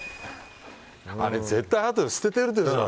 あれ、絶対あとで捨ててるでしょ。